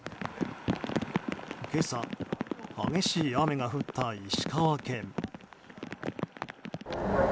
今朝、激しい雨が降った石川県。